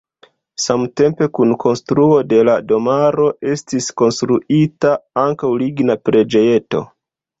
Samtempe kun konstruo de la domaro estis konstruita ankaŭ ligna preĝejeto.